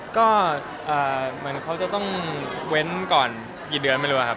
ก็เหมือนเขาจะต้องเว้นก่อนกี่เดือนไม่รู้ครับ